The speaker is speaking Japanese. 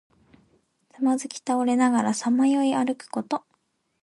つまずき倒れながらさまよい歩くこと。